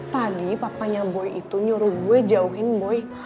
tadi papanya boy itu nyuruh gue jauhin boy